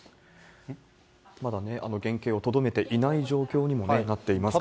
まだ原形をとどめていない状況にもなっていますからね。